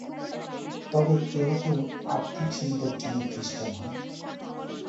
তবে কেহ কেহ আর্থিক সুবিধার জন্য খ্রীষ্টান হয়।